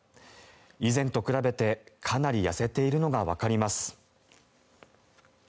以前と比べて、かなり痩せているのがわかります。